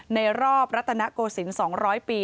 ในรอบรัฐนาโกสิน๒๐๐ปี